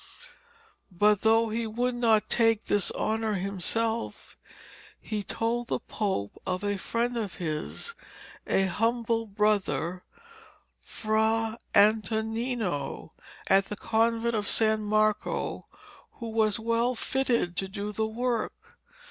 But though he would not take this honour himself, he told the Pope of a friend of his, a humble brother, Fra Antonino, at the convent of San Marco, who was well fitted to do the work.